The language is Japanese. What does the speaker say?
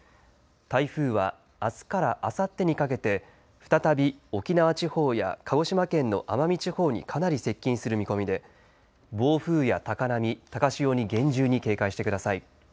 台風はあすからあさってにかけて再び沖縄地方や鹿児島県の奄美地方にかなり接近する見込みで暴風や高波、高潮に厳重に警戒してください。